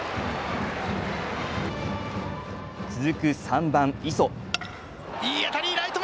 続く３番・磯。